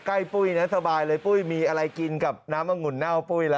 ปุ้ยนะสบายเลยปุ้ยมีอะไรกินกับน้ำอังุ่นเน่าปุ้ยล่ะ